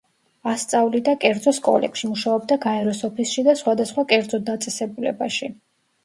ასწავლიდა კერძო სკოლებში, მუშაობდა გაეროს ოფისში და სხვადასხვა კერძო დაწესებულებაში.